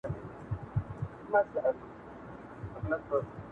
o يخ د خداى په روى نه گرځي، د خره په ځل گرځي.